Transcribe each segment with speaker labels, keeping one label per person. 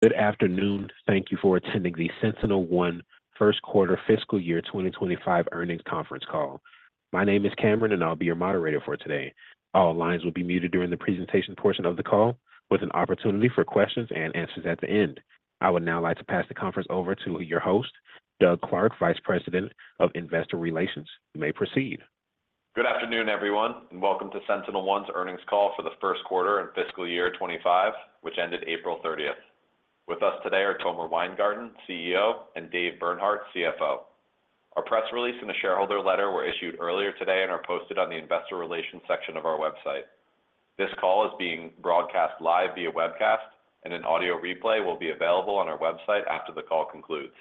Speaker 1: Good afternoon. Thank you for attending the SentinelOne first quarter fiscal year 2025 earnings conference call. My name is Cameron, and I'll be your moderator for today. All lines will be muted during the presentation portion of the call, with an opportunity for questions and answers at the end. I would now like to pass the conference over to your host, Doug Clark, Vice President of Investor Relations. You may proceed.
Speaker 2: Good afternoon, everyone, and welcome to SentinelOne's earnings call for the first quarter and fiscal year 2025, which ended April 30. With us today are Tomer Weingarten, CEO, and Dave Bernhardt, CFO. Our press release and the shareholder letter were issued earlier today and are posted on the investor relations section of our website. This call is being broadcast live via webcast, and an audio replay will be available on our website after the call concludes.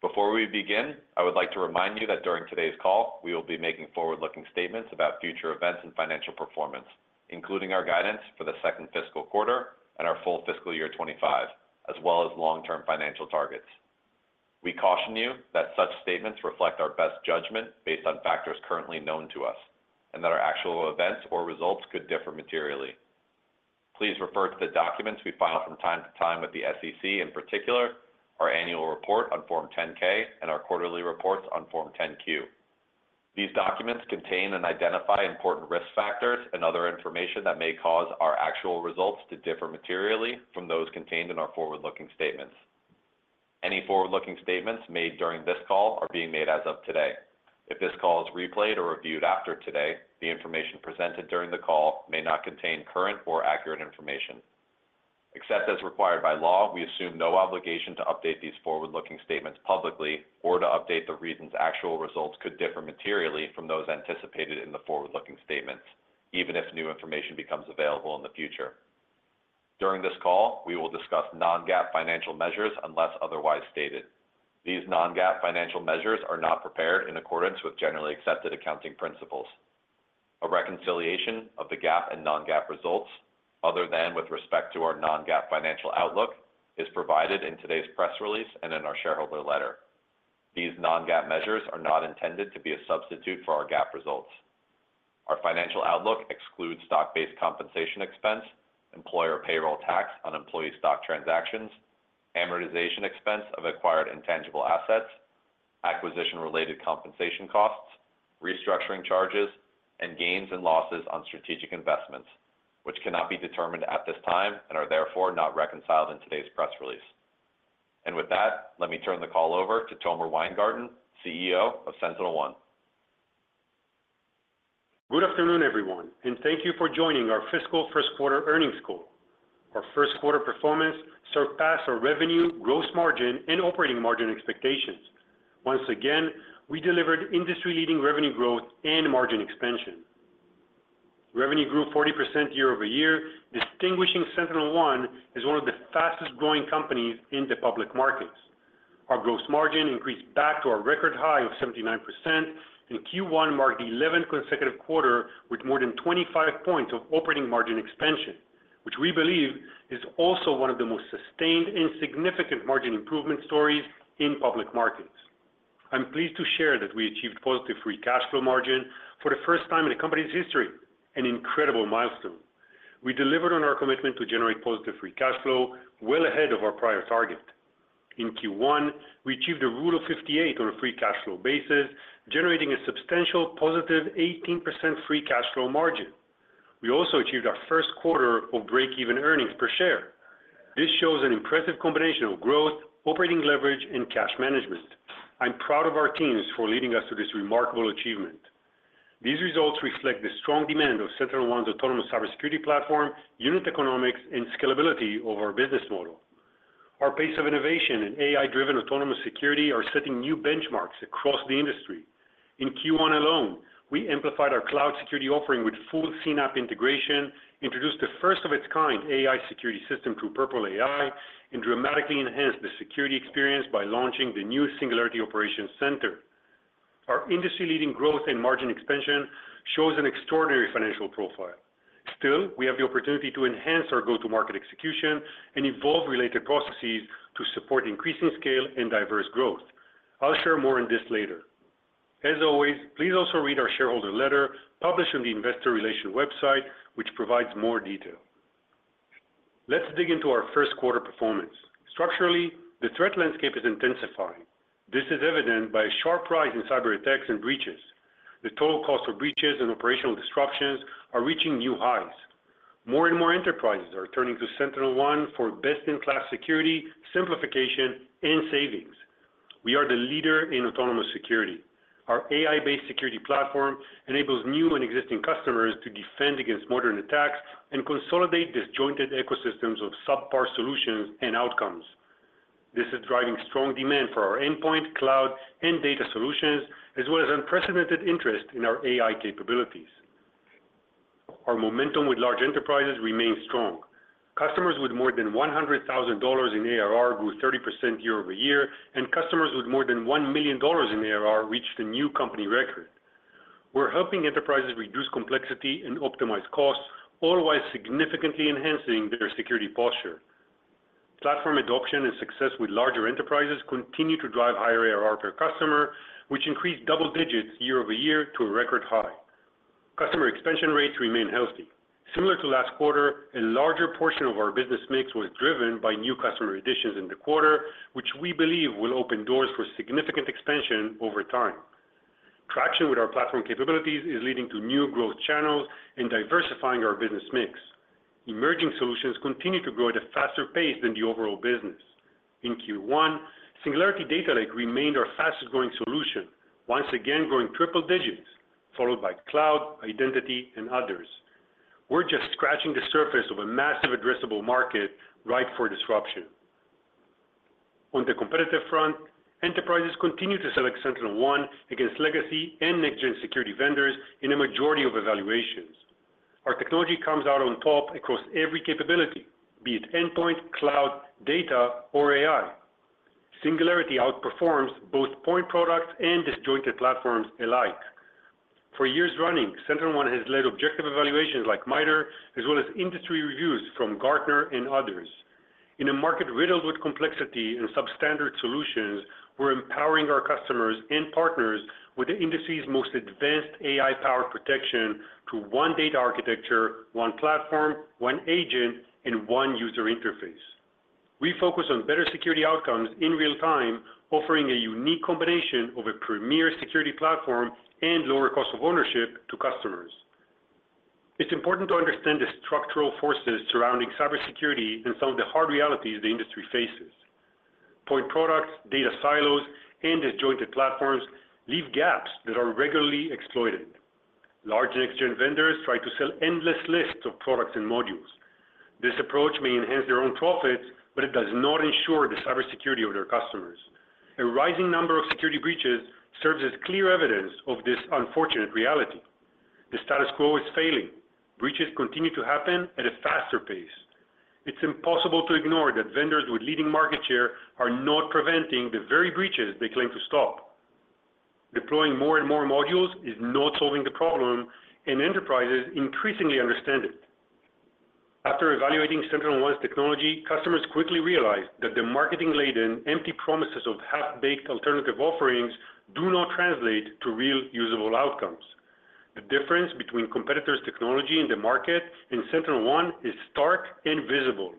Speaker 2: Before we begin, I would like to remind you that during today's call, we will be making forward-looking statements about future events and financial performance, including our guidance for the second fiscal quarter and our full fiscal year 2025, as well as long-term financial targets. We caution you that such statements reflect our best judgment based on factors currently known to us, and that our actual events or results could differ materially. Please refer to the documents we file from time to time with the SEC, in particular, our annual report on Form 10-K and our quarterly reports on Form 10-Q. These documents contain and identify important risk factors and other information that may cause our actual results to differ materially from those contained in our forward-looking statements. Any forward-looking statements made during this call are being made as of today. If this call is replayed or reviewed after today, the information presented during the call may not contain current or accurate information. Except as required by law, we assume no obligation to update these forward-looking statements publicly or to update the reasons actual results could differ materially from those anticipated in the forward-looking statements, even if new information becomes available in the future. During this call, we will discuss non-GAAP financial measures, unless otherwise stated. These non-GAAP financial measures are not prepared in accordance with generally accepted accounting principles. A reconciliation of the GAAP and non-GAAP results, other than with respect to our non-GAAP financial outlook, is provided in today's press release and in our shareholder letter. These non-GAAP measures are not intended to be a substitute for our GAAP results. Our financial outlook excludes stock-based compensation expense, employer payroll tax on employee stock transactions, amortization expense of acquired intangible assets, acquisition-related compensation costs, restructuring charges, and gains and losses on strategic investments, which cannot be determined at this time and are therefore not reconciled in today's press release. With that, let me turn the call over to Tomer Weingarten, CEO of SentinelOne.
Speaker 3: Good afternoon, everyone, and thank you for joining our fiscal first quarter earnings call. Our first quarter performance surpassed our revenue, gross margin, and operating margin expectations. Once again, we delivered industry-leading revenue growth and margin expansion. Revenue grew 40% year-over-year, distinguishing SentinelOne as one of the fastest-growing companies in the public markets. Our gross margin increased back to a record high of 79%, and Q1 marked the 11th consecutive quarter with more than 25 points of operating margin expansion, which we believe is also one of the most sustained and significant margin improvement stories in public markets. I'm pleased to share that we achieved positive free cash flow margin for the first time in the company's history, an incredible milestone. We delivered on our commitment to generate positive free cash flow well ahead of our prior target. In Q1, we achieved a Rule of 58 on a free cash flow basis, generating a substantial positive 18% free cash flow margin. We also achieved our first quarter of breakeven earnings per share. This shows an impressive combination of growth, operating leverage, and cash management. I'm proud of our teams for leading us to this remarkable achievement. These results reflect the strong demand of SentinelOne's autonomous cybersecurity platform, unit economics, and scalability of our business model. Our pace of innovation and AI-driven autonomous security are setting new benchmarks across the industry. In Q1 alone, we amplified our cloud security offering with full CNAPP integration, introduced the first of its kind AI security system through Purple AI, and dramatically enhanced the security experience by launching the new Singularity Operations Center. Our industry-leading growth and margin expansion shows an extraordinary financial profile. Still, we have the opportunity to enhance our go-to-market execution and evolve related processes to support increasing scale and diverse growth. I'll share more on this later. As always, please also read our shareholder letter, published on the Investor Relations website, which provides more detail. Let's dig into our first quarter performance. Structurally, the threat landscape is intensifying. This is evident by a sharp rise in cyberattacks and breaches. The total cost of breaches and operational disruptions are reaching new highs. More and more enterprises are turning to SentinelOne for best-in-class security, simplification, and savings. We are the leader in autonomous security. Our AI-based security platform enables new and existing customers to defend against modern attacks and consolidate disjointed ecosystems of subpar solutions and outcomes. This is driving strong demand for our endpoint, cloud, and data solutions, as well as unprecedented interest in our AI capabilities. Our momentum with large enterprises remains strong. Customers with more than $100,000 in ARR grew 30% year-over-year, and customers with more than $1 million in ARR reached a new company record. We're helping enterprises reduce complexity and optimize costs, all while significantly enhancing their security posture. Platform adoption and success with larger enterprises continue to drive higher ARR per customer, which increased double digits year-over-year to a record high.... Customer expansion rates remain healthy. Similar to last quarter, a larger portion of our business mix was driven by new customer additions in the quarter, which we believe will open doors for significant expansion over time. Traction with our platform capabilities is leading to new growth channels and diversifying our business mix. Emerging solutions continue to grow at a faster pace than the overall business. In Q1, Singularity Data Lake remained our fastest-growing solution, once again growing triple digits, followed by cloud, identity, and others. We're just scratching the surface of a massive addressable market ripe for disruption. On the competitive front, enterprises continue to select SentinelOne against legacy and next-gen security vendors in a majority of evaluations. Our technology comes out on top across every capability, be it endpoint, cloud, data, or AI. Singularity outperforms both point products and disjointed platforms alike. For years running, SentinelOne has led objective evaluations like MITRE, as well as industry reviews from Gartner and others. In a market riddled with complexity and substandard solutions, we're empowering our customers and partners with the industry's most advanced AI-powered protection through one data architecture, one platform, one agent, and one user interface. We focus on better security outcomes in real time, offering a unique combination of a premier security platform and lower cost of ownership to customers. It's important to understand the structural forces surrounding cybersecurity and some of the hard realities the industry faces. Point products, data silos, and disjointed platforms leave gaps that are regularly exploited. Large next-gen vendors try to sell endless lists of products and modules. This approach may enhance their own profits, but it does not ensure the cybersecurity of their customers. A rising number of security breaches serves as clear evidence of this unfortunate reality. The status quo is failing. Breaches continue to happen at a faster pace. It's impossible to ignore that vendors with leading market share are not preventing the very breaches they claim to stop. Deploying more and more modules is not solving the problem, and enterprises increasingly understand it. After evaluating SentinelOne's technology, customers quickly realize that the marketing-laden, empty promises of half-baked alternative offerings do not translate to real, usable outcomes. The difference between competitors' technology in the market and SentinelOne is stark and visible.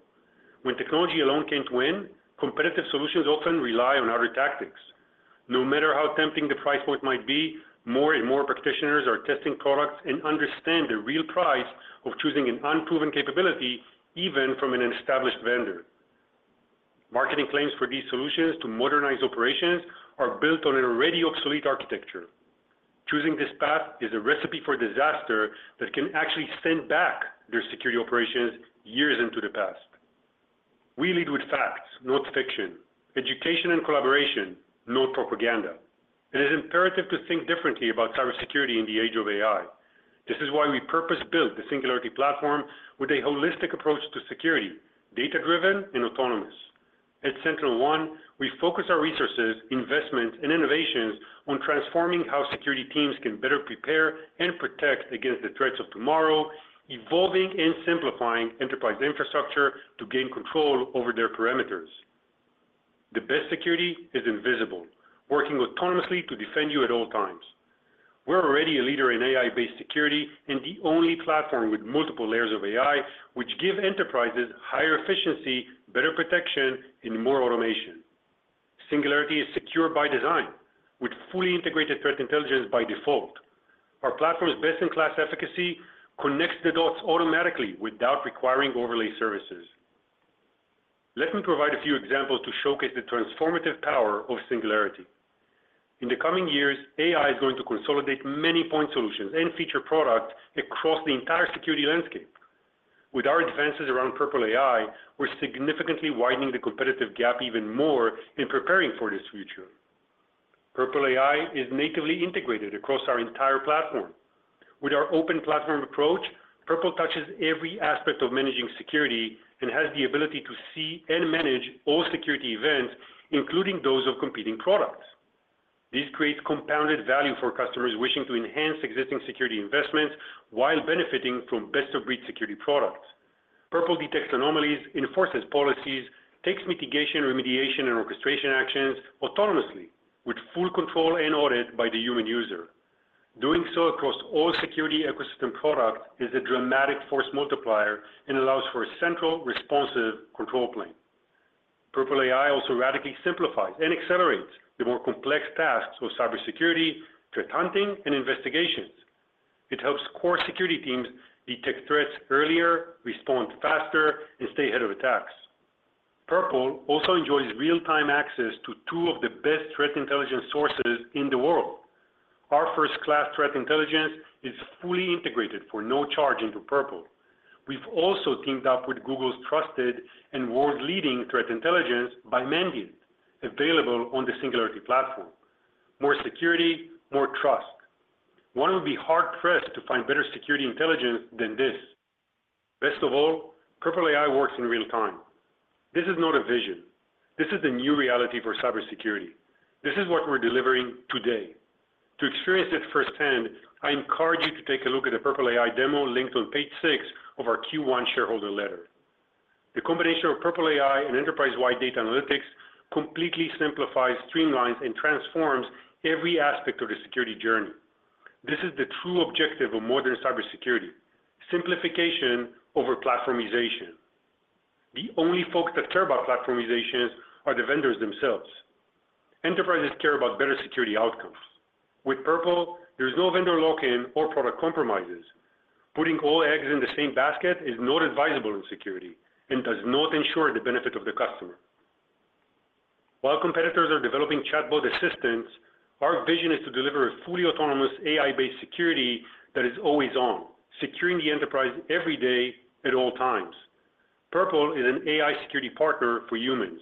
Speaker 3: When technology alone can't win, competitive solutions often rely on other tactics. No matter how tempting the price point might be, more and more practitioners are testing products and understand the real price of choosing an unproven capability, even from an established vendor. Marketing claims for these solutions to modernize operations are built on an already obsolete architecture. Choosing this path is a recipe for disaster that can actually send back their security operations years into the past. We lead with facts, not fiction. Education and collaboration, not propaganda. It is imperative to think differently about cybersecurity in the age of AI. This is why we purpose-built the Singularity Platform with a holistic approach to security, data-driven and autonomous. At SentinelOne, we focus our resources, investment, and innovations on transforming how security teams can better prepare and protect against the threats of tomorrow, evolving and simplifying enterprise infrastructure to gain control over their parameters. The best security is invisible, working autonomously to defend you at all times. We're already a leader in AI-based security and the only platform with multiple layers of AI, which give enterprises higher efficiency, better protection, and more automation. Singularity is secure by design, with fully integrated threat intelligence by default. Our platform's best-in-class efficacy connects the dots automatically without requiring overlay services. Let me provide a few examples to showcase the transformative power of Singularity. In the coming years, AI is going to consolidate many point solutions and feature products across the entire security landscape. With our advances around Purple AI, we're significantly widening the competitive gap even more in preparing for this future. Purple AI is natively integrated across our entire platform. With our open platform approach, Purple touches every aspect of managing security and has the ability to see and manage all security events, including those of competing products. This creates compounded value for customers wishing to enhance existing security investments while benefiting from best-of-breed security products. Purple detects anomalies, enforces policies, takes mitigation, remediation, and orchestration actions autonomously with full control and audit by the human user. Doing so across all security ecosystem products is a dramatic force multiplier and allows for a central, responsive control plane. Purple AI also radically simplifies and accelerates the more complex tasks of cybersecurity, threat hunting, and investigations. It helps core security teams detect threats earlier, respond faster, and stay ahead of attacks. Purple also enjoys real-time access to two of the best threat intelligence sources in the world. Our first-class threat intelligence is fully integrated for no charge into Purple. We've also teamed up with Google's trusted and world-leading threat intelligence by Mandiant, available on the Singularity Platform. More security, more trust. One would be hard-pressed to find better security intelligence than this. Best of all, Purple AI works in real time. This is not a vision. This is the new reality for cybersecurity. This is what we're delivering today. To experience it firsthand, I encourage you to take a look at the Purple AI demo linked on page six of our Q1 shareholder letter.... The combination of Purple AI and enterprise-wide data analytics completely simplifies, streamlines, and transforms every aspect of the security journey. This is the true objective of modern cybersecurity: simplification over platformization. The only folks that care about platformizations are the vendors themselves. Enterprises care about better security outcomes. With Purple, there's no vendor lock-in or product compromises. Putting all eggs in the same basket is not advisable in security and does not ensure the benefit of the customer. While competitors are developing chatbot assistance, our vision is to deliver a fully autonomous AI-based security that is always on, securing the enterprise every day at all times. Purple is an AI security partner for humans.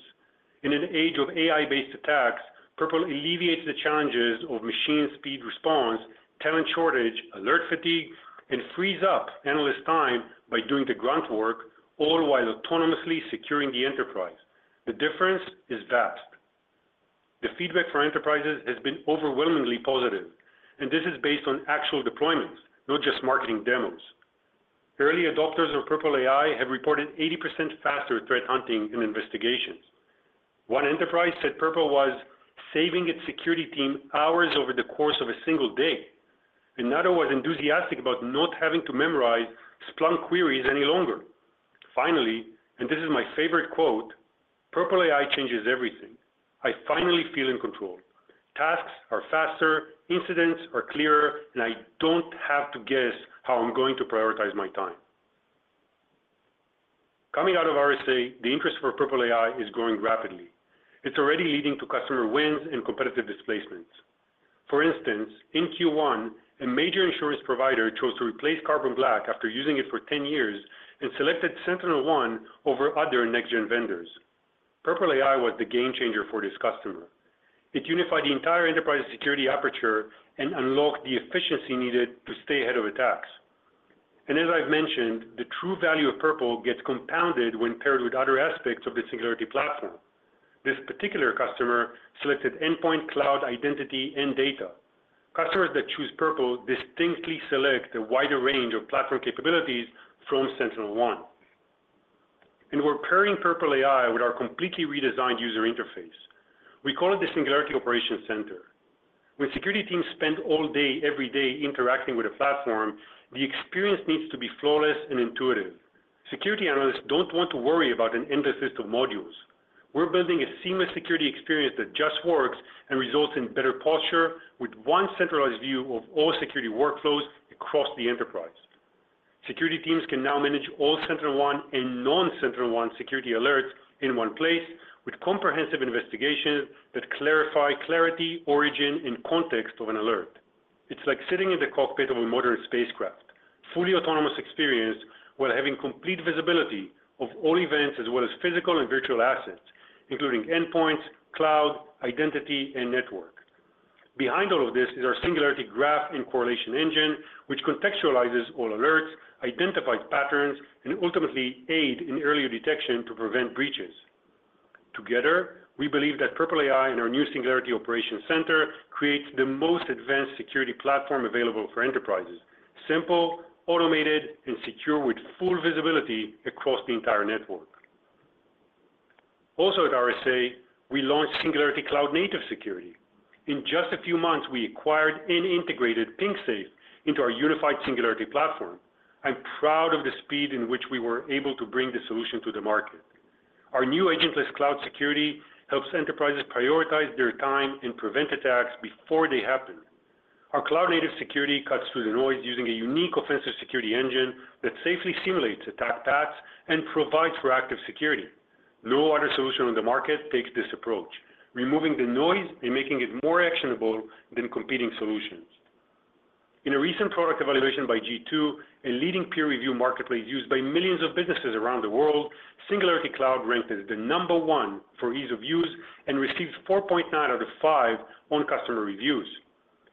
Speaker 3: In an age of AI-based attacks, Purple alleviates the challenges of machine speed response, talent shortage, alert fatigue, and frees up analysts' time by doing the grunt work, all while autonomously securing the enterprise. The difference is vast. The feedback for enterprises has been overwhelmingly positive, and this is based on actual deployments, not just marketing demos. Early adopters of Purple AI have reported 80% faster threat hunting and investigations. One enterprise said Purple was saving its security team hours over the course of a single day. Another was enthusiastic about not having to memorize Splunk queries any longer. Finally, and this is my favorite quote, "Purple AI changes everything. I finally feel in control. Tasks are faster, incidents are clearer, and I don't have to guess how I'm going to prioritize my time." Coming out of RSA, the interest for Purple AI is growing rapidly. It's already leading to customer wins and competitive displacements. For instance, in Q1, a major insurance provider chose to replace Carbon Black after using it for 10 years and selected SentinelOne over other next-gen vendors. Purple AI was the game changer for this customer. It unified the entire enterprise security aperture and unlocked the efficiency needed to stay ahead of attacks. As I've mentioned, the true value of Purple gets compounded when paired with other aspects of the Singularity platform. This particular customer selected endpoint, cloud, identity, and data. Customers that choose Purple distinctly select a wider range of platform capabilities from SentinelOne. We're pairing Purple AI with our completely redesigned user interface. We call it the Singularity Operations Center. When security teams spend all day, every day, interacting with a platform, the experience needs to be flawless and intuitive. Security analysts don't want to worry about an endless list of modules. We're building a seamless security experience that just works and results in better posture with one centralized view of all security workflows across the enterprise. Security teams can now manage all SentinelOne and non-SentinelOne security alerts in one place, with comprehensive investigations that clarify clarity, origin, and context of an alert. It's like sitting in the cockpit of a modern spacecraft, fully autonomous experience while having complete visibility of all events, as well as physical and virtual assets, including endpoints, cloud, identity, and network. Behind all of this is our Singularity Graph and Correlation Engine, which contextualizes all alerts, identifies patterns, and ultimately aid in earlier detection to prevent breaches. Together, we believe that Purple AI and our new Singularity Operations Center creates the most advanced security platform available for enterprises: simple, automated, and secure, with full visibility across the entire network. Also at RSA, we launched Singularity Cloud Native Security. In just a few months, we acquired and integrated PingSafe into our unified Singularity Platform. I'm proud of the speed in which we were able to bring the solution to the market. Our new agentless cloud security helps enterprises prioritize their time and prevent attacks before they happen. Our cloud-native security cuts through the noise using a unique offensive security engine that safely simulates attack paths and provides for active security. No other solution on the market takes this approach, removing the noise and making it more actionable than competing solutions. In a recent product evaluation by G2, a leading peer review marketplace used by millions of businesses around the world, Singularity Cloud ranked as the number 1 for ease of use and received 4.9 out of 5 on customer reviews.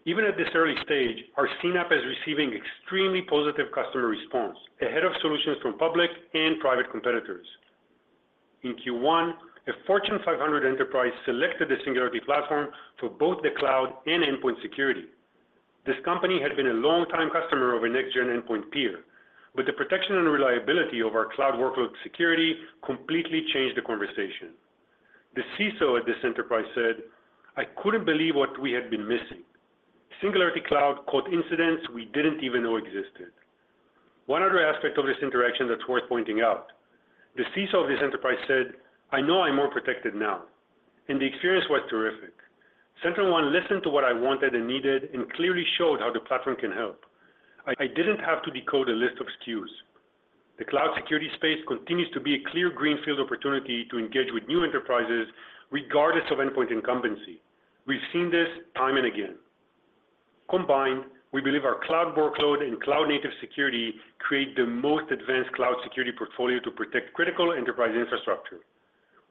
Speaker 3: Even at this early stage, our CNAPP is receiving extremely positive customer response, ahead of solutions from public and private competitors. In Q1, a Fortune 500 enterprise selected the Singularity platform for both the cloud and endpoint security. This company had been a long-time customer of a next-gen endpoint peer, but the protection and reliability of our cloud workload security completely changed the conversation. The CISO at this enterprise said, "I couldn't believe what we had been missing. Singularity Cloud caught incidents we didn't even know existed." One other aspect of this interaction that's worth pointing out. The CISO of this enterprise said, "I know I'm more protected now, and the experience was terrific. SentinelOne listened to what I wanted and needed and clearly showed how the platform can help. I, I didn't have to decode a list of SKUs." The cloud security space continues to be a clear greenfield opportunity to engage with new enterprises, regardless of endpoint incumbency. We've seen this time and again. Combined, we believe our cloud workload and cloud-native security create the most advanced cloud security portfolio to protect critical enterprise infrastructure.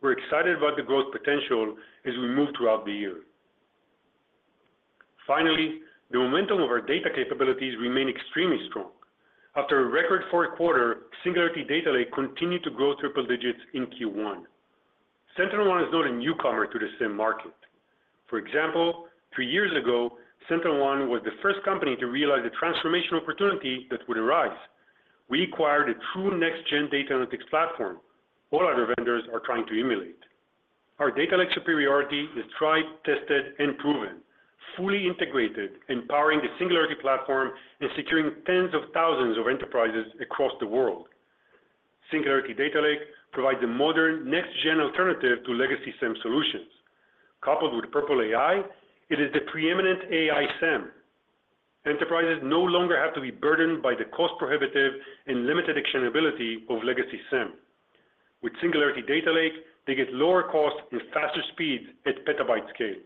Speaker 3: We're excited about the growth potential as we move throughout the year. Finally, the momentum of our data capabilities remain extremely strong. After a record fourth quarter, Singularity Data Lake continued to grow triple digits in Q1. SentinelOne is not a newcomer to the SIEM market. For example, 3 years ago, SentinelOne was the first company to realize the transformational opportunity that would arise. We acquired a true next-gen data analytics platform all other vendors are trying to emulate. Our data lake superiority is tried, tested, and proven, fully integrated, and powering the Singularity platform, and securing tens of thousands of enterprises across the world. Singularity Data Lake provides a modern, next-gen alternative to legacy SIEM solutions. Coupled with Purple AI, it is the preeminent AI SIEM. Enterprises no longer have to be burdened by the cost-prohibitive and limited actionability of legacy SIEM. With Singularity Data Lake, they get lower costs and faster speeds at petabyte scale.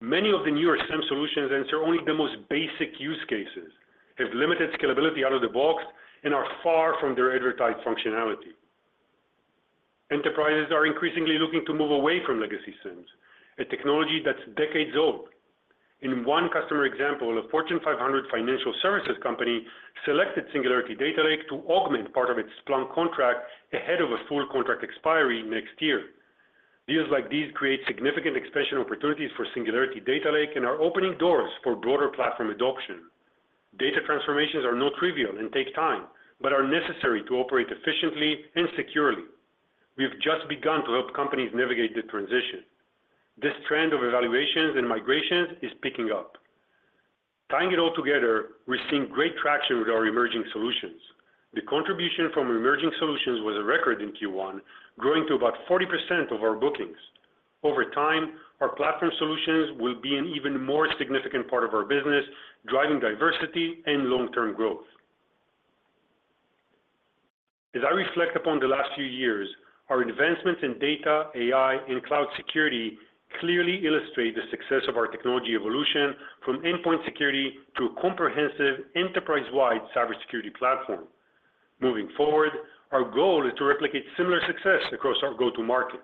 Speaker 3: Many of the newer SIEM solutions answer only the most basic use cases, have limited scalability out of the box, and are far from their advertised functionality. Enterprises are increasingly looking to move away from legacy SIEMs, a technology that's decades old. In one customer example, a Fortune 500 financial services company selected Singularity Data Lake to augment part of its Splunk contract ahead of a full contract expiry next year. Deals like these create significant expansion opportunities for Singularity Data Lake and are opening doors for broader platform adoption. Data transformations are not trivial and take time, but are necessary to operate efficiently and securely. We've just begun to help companies navigate the transition. This trend of evaluations and migrations is picking up. Tying it all together, we're seeing great traction with our emerging solutions. The contribution from emerging solutions was a record in Q1, growing to about 40% of our bookings. Over time, our platform solutions will be an even more significant part of our business, driving diversity and long-term growth. As I reflect upon the last few years, our advancements in data, AI, and cloud security clearly illustrate the success of our technology evolution from endpoint security to a comprehensive, enterprise-wide cybersecurity platform. Moving forward, our goal is to replicate similar success across our go-to market.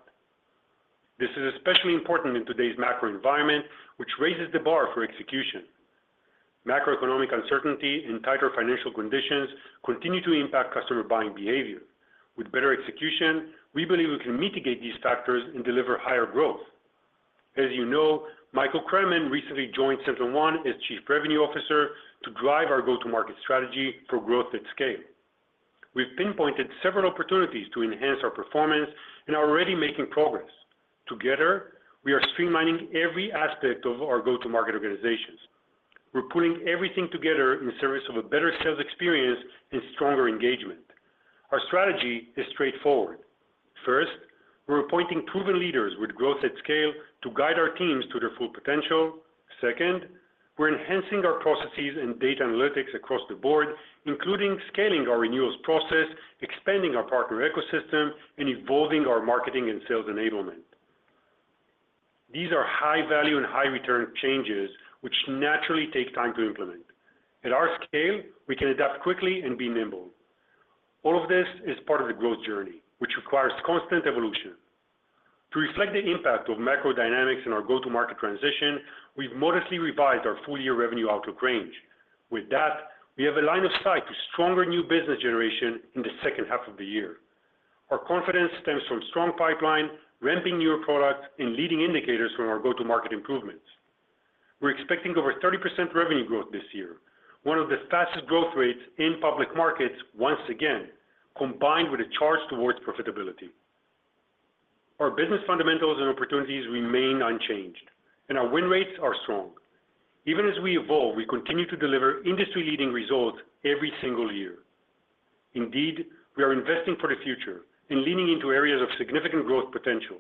Speaker 3: This is especially important in today's macro environment, which raises the bar for execution. Macroeconomic uncertainty and tighter financial conditions continue to impact customer buying behavior. With better execution, we believe we can mitigate these factors and deliver higher growth. As you know, Michael Cremen recently joined SentinelOne as Chief Revenue Officer to drive our go-to-market strategy for growth at scale. We've pinpointed several opportunities to enhance our performance and are already making progress. Together, we are streamlining every aspect of our go-to-market organizations. We're putting everything together in service of a better sales experience and stronger engagement. Our strategy is straightforward. First, we're appointing proven leaders with growth at scale to guide our teams to their full potential. Second, we're enhancing our processes and data analytics across the board, including scaling our renewals process, expanding our partner ecosystem, and evolving our marketing and sales enablement. These are high-value and high-return changes, which naturally take time to implement. At our scale, we can adapt quickly and be nimble. All of this is part of the growth journey, which requires constant evolution. To reflect the impact of macro dynamics in our go-to-market transition, we've modestly revised our full-year revenue outlook range. With that, we have a line of sight to stronger new business generation in the second half of the year. Our confidence stems from strong pipeline, ramping newer products, and leading indicators from our go-to-market improvements. We're expecting over 30% revenue growth this year, one of the fastest growth rates in public markets once again, combined with a charge towards profitability. Our business fundamentals and opportunities remain unchanged, and our win rates are strong. Even as we evolve, we continue to deliver industry-leading results every single year. Indeed, we are investing for the future and leaning into areas of significant growth potential,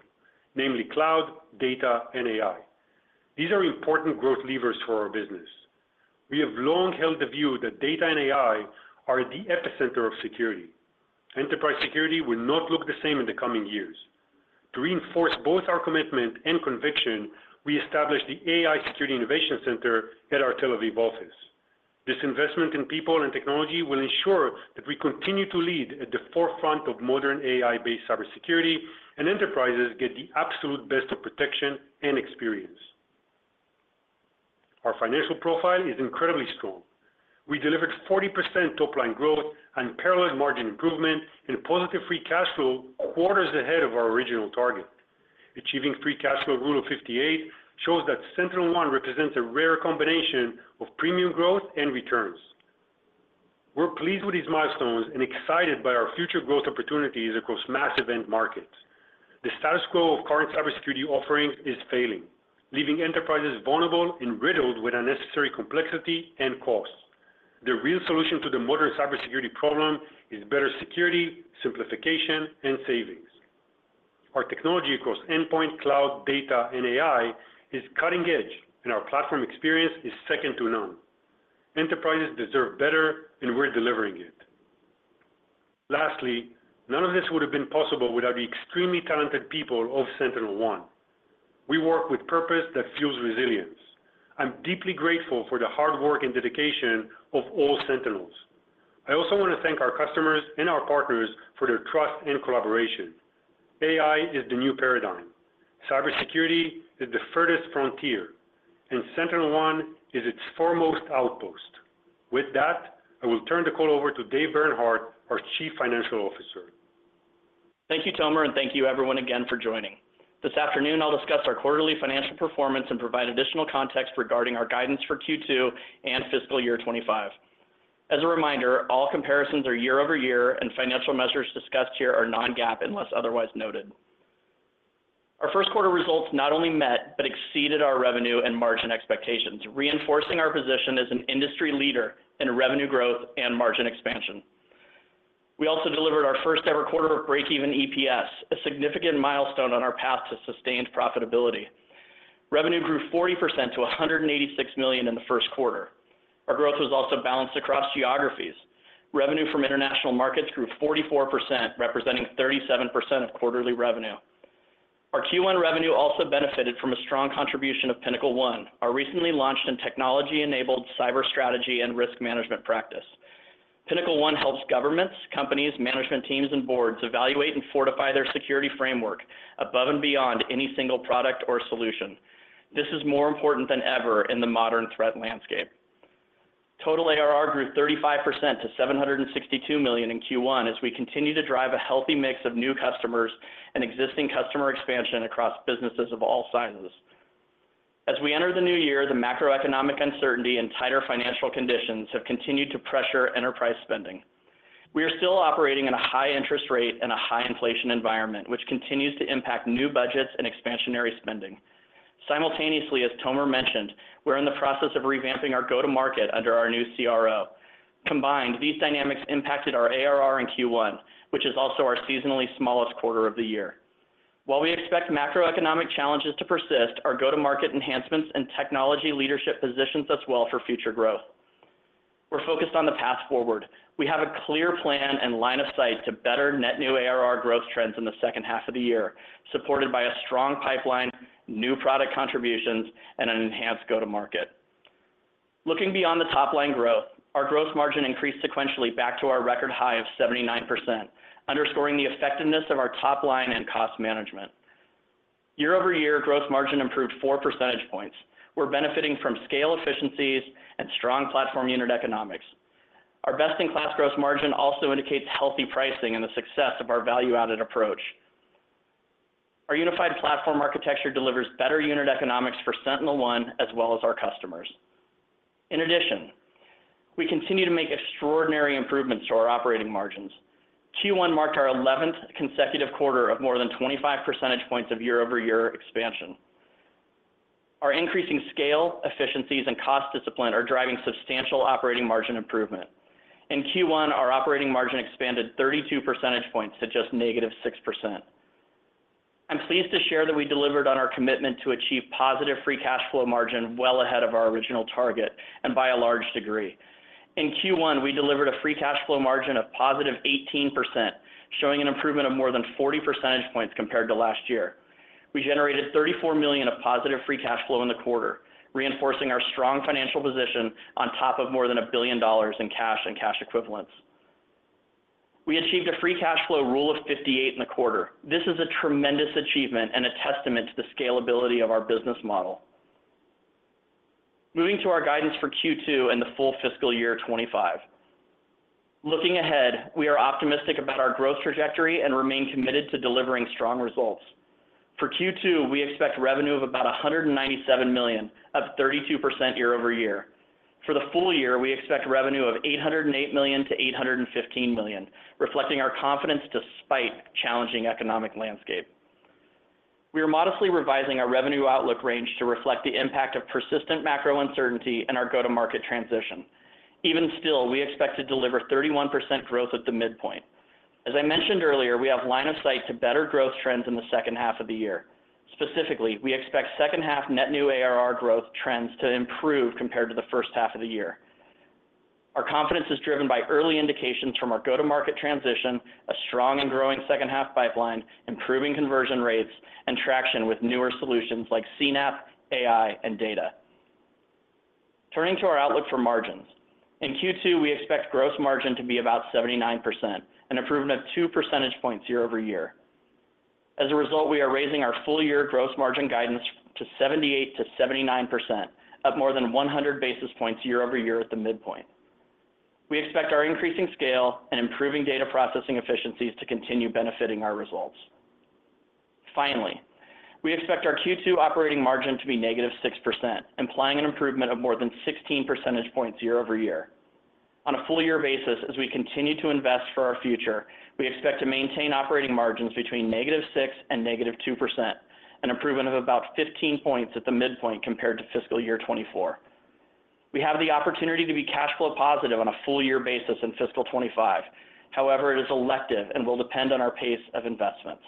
Speaker 3: namely cloud, data, and AI. These are important growth levers for our business. We have long held the view that data and AI are at the epicenter of security. Enterprise security will not look the same in the coming years. To reinforce both our commitment and conviction, we established the AI Security Innovation Center at our Tel Aviv office. This investment in people and technology will ensure that we continue to lead at the forefront of modern AI-based cybersecurity, and enterprises get the absolute best of protection and experience. Our financial profile is incredibly strong. We delivered 40% top-line growth, unparalleled margin improvement, and positive free cash flow quarters ahead of our original target. Achieving free cash flow Rule of 58 shows that SentinelOne represents a rare combination of premium growth and returns. We're pleased with these milestones and excited by our future growth opportunities across massive end markets. The status quo of current cybersecurity offerings is failing, leaving enterprises vulnerable and riddled with unnecessary complexity and cost. The real solution to the modern cybersecurity problem is better security, simplification, and savings. Our technology across endpoint, cloud, data, and AI is cutting-edge, and our platform experience is second to none. Enterprises deserve better, and we're delivering it. Lastly, none of this would have been possible without the extremely talented people of SentinelOne. We work with purpose that fuels resilience. I'm deeply grateful for the hard work and dedication of all Sentinels. I also want to thank our customers and our partners for their trust and collaboration. AI is the new paradigm. Cybersecurity is the furthest frontier, and SentinelOne is its foremost outpost.... With that, I will turn the call over to Dave Bernhardt, our Chief Financial Officer.
Speaker 4: Thank you, Tomer, and thank you everyone again for joining. This afternoon, I'll discuss our quarterly financial performance and provide additional context regarding our guidance for Q2 and fiscal year 25. As a reminder, all comparisons are year-over-year, and financial measures discussed here are non-GAAP unless otherwise noted. Our first quarter results not only met but exceeded our revenue and margin expectations, reinforcing our position as an industry leader in revenue growth and margin expansion. We also delivered our first-ever quarter of break-even EPS, a significant milestone on our path to sustained profitability. Revenue grew 40% to $186 million in the first quarter. Our growth was also balanced across geographies. Revenue from international markets grew 44%, representing 37% of quarterly revenue. Our Q1 revenue also benefited from a strong contribution of PinnacleOne, our recently launched and technology-enabled cyber strategy and risk management practice. PinnacleOne helps governments, companies, management teams, and boards evaluate and fortify their security framework above and beyond any single product or solution. This is more important than ever in the modern threat landscape. Total ARR grew 35% to $762 million in Q1 as we continue to drive a healthy mix of new customers and existing customer expansion across businesses of all sizes. As we enter the new year, the macroeconomic uncertainty and tighter financial conditions have continued to pressure enterprise spending. We are still operating in a high interest rate and a high inflation environment, which continues to impact new budgets and expansionary spending. Simultaneously, as Tomer mentioned, we're in the process of revamping our go-to-market under our new CRO. Combined, these dynamics impacted our ARR in Q1, which is also our seasonally smallest quarter of the year. While we expect macroeconomic challenges to persist, our go-to-market enhancements and technology leadership positions us well for future growth. We're focused on the path forward. We have a clear plan and line of sight to better net new ARR growth trends in the second half of the year, supported by a strong pipeline, new product contributions, and an enhanced go-to-market. Looking beyond the top-line growth, our gross margin increased sequentially back to our record high of 79%, underscoring the effectiveness of our top-line and cost management. Year-over-year, gross margin improved four percentage points. We're benefiting from scale efficiencies and strong platform unit economics. Our best-in-class gross margin also indicates healthy pricing and the success of our value-added approach. Our unified platform architecture delivers better unit economics for SentinelOne as well as our customers. In addition, we continue to make extraordinary improvements to our operating margins. Q1 marked our 11th consecutive quarter of more than 25 percentage points of year-over-year expansion. Our increasing scale, efficiencies, and cost discipline are driving substantial operating margin improvement. In Q1, our operating margin expanded 32 percentage points to just -6%. I'm pleased to share that we delivered on our commitment to achieve positive free cash flow margin well ahead of our original target and by a large degree. In Q1, we delivered a free cash flow margin of +18%, showing an improvement of more than 40 percentage points compared to last year. We generated $34 million of positive free cash flow in the quarter, reinforcing our strong financial position on top of more than $1 billion in cash and cash equivalents. We achieved a free cash flow Rule of 58 in the quarter. This is a tremendous achievement and a testament to the scalability of our business model. Moving to our guidance for Q2 and the full fiscal year 2025. Looking ahead, we are optimistic about our growth trajectory and remain committed to delivering strong results. For Q2, we expect revenue of about $197 million, up 32% year-over-year. For the full year, we expect revenue of $808 million-$815 million, reflecting our confidence despite challenging economic landscape. We are modestly revising our revenue outlook range to reflect the impact of persistent macro uncertainty and our go-to-market transition. Even still, we expect to deliver 31% growth at the midpoint. As I mentioned earlier, we have line of sight to better growth trends in the second half of the year. Specifically, we expect second half net new ARR growth trends to improve compared to the first half of the year. Our confidence is driven by early indications from our go-to-market transition, a strong and growing second half pipeline, improving conversion rates, and traction with newer solutions like CNAPP, AI, and Data. Turning to our outlook for margins. In Q2, we expect gross margin to be about 79%, an improvement of 2 percentage points year-over-year. As a result, we are raising our full year gross margin guidance to 78%-79%, up more than 100 basis points year-over-year at the midpoint. We expect our increasing scale and improving data processing efficiencies to continue benefiting our results. Finally, we expect our Q2 operating margin to be negative 6%, implying an improvement of more than 16 percentage points year-over-year. On a full year basis, as we continue to invest for our future, we expect to maintain operating margins between negative 6% and negative 2%, an improvement of about 15 points at the midpoint compared to fiscal year 2024. We have the opportunity to be cash flow positive on a full year basis in fiscal 2025. However, it is elective and will depend on our pace of investments.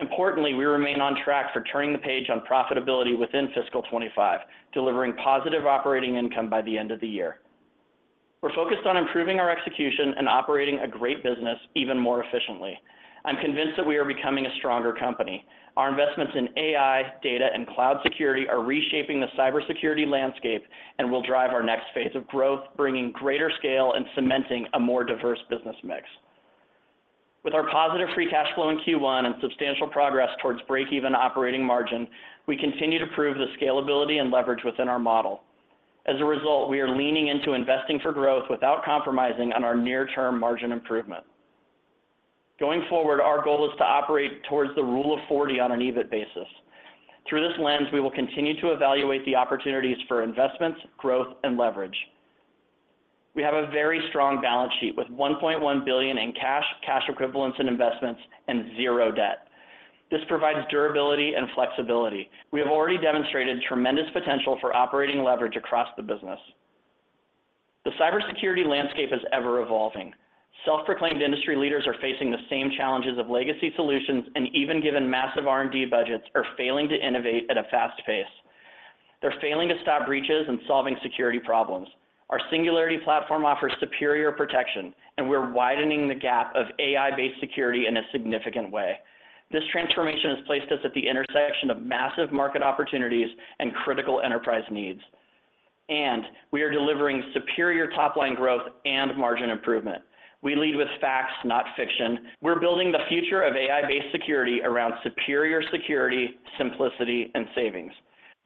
Speaker 4: Importantly, we remain on track for turning the page on profitability within fiscal 2025, delivering positive operating income by the end of the year. We're focused on improving our execution and operating a great business even more efficiently. I'm convinced that we are becoming a stronger company. Our investments in AI, data, and cloud security are reshaping the cybersecurity landscape and will drive our next phase of growth, bringing greater scale and cementing a more diverse business mix. With our positive free cash flow in Q1 and substantial progress towards break-even operating margin, we continue to prove the scalability and leverage within our model. As a result, we are leaning into investing for growth without compromising on our near-term margin improvement. Going forward, our goal is to operate towards the Rule of 40 on an EBIT basis. Through this lens, we will continue to evaluate the opportunities for investments, growth, and leverage. We have a very strong balance sheet with $1.1 billion in cash, cash equivalents, and investments, and zero debt. This provides durability and flexibility. We have already demonstrated tremendous potential for operating leverage across the business. The cybersecurity landscape is ever-evolving. Self-proclaimed industry leaders are facing the same challenges of legacy solutions, and even given massive R&D budgets, are failing to innovate at a fast pace. They're failing to stop breaches and solving security problems. Our Singularity Platform offers superior protection, and we're widening the gap of AI-based security in a significant way. This transformation has placed us at the intersection of massive market opportunities and critical enterprise needs, and we are delivering superior top-line growth and margin improvement. We lead with facts, not fiction. We're building the future of AI-based security around superior security, simplicity, and savings.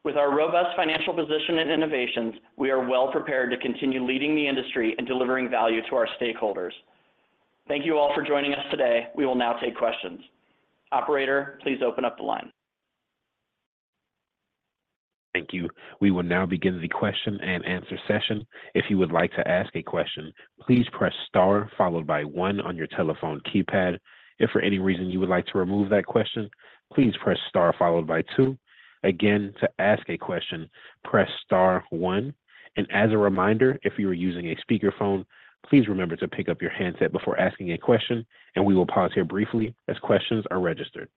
Speaker 4: With our robust financial position and innovations, we are well-prepared to continue leading the industry and delivering value to our stakeholders. Thank you all for joining us today. We will now take questions. Operator, please open up the line.
Speaker 1: Thank you. We will now begin the question and answer session. If you would like to ask a question, please press star followed by one on your telephone keypad. If for any reason you would like to remove that question, please press star followed by two. Again, to ask a question, press star one. As a reminder, if you are using a speakerphone, please remember to pick up your handset before asking a question, and we will pause here briefly as questions are registered.